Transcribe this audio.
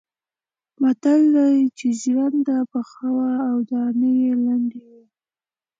متل دی: څه ژرنده پڅه وه او څه دانې لندې وې.